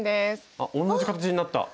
あっ同じ形になった。